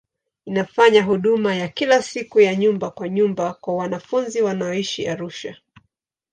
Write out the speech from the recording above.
Inafanya huduma ya kila siku ya nyumba kwa nyumba kwa wanafunzi wanaoishi Arusha.